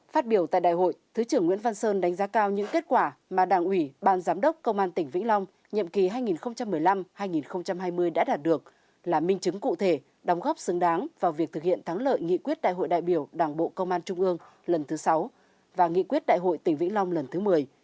phát biểu tại đại hội thứ trưởng nguyễn văn sơn đánh giá cao những kết quả mà đảng ủy ban giám đốc công an tỉnh vĩnh long nhiệm kỳ hai nghìn một mươi năm hai nghìn hai mươi đã đạt được là minh chứng cụ thể đóng góp xứng đáng vào việc thực hiện thắng lợi nghị quyết đại hội đại biểu đảng bộ công an trung ương lần thứ sáu và nghị quyết đại hội tỉnh vĩnh long lần thứ một mươi